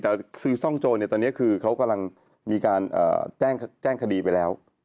แต่ซื้อซ่องโจรตอนนี้คือเขากำลังมีการแจ้งคดีไปแล้ว